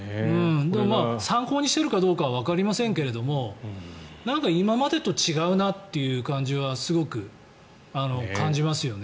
参考にしているかどうかはわかりませんが今までと違うなという感じはすごく感じますよね。